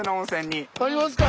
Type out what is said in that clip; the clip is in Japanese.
ありますか？